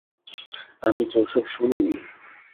আমি তো ওসব শুনিনি।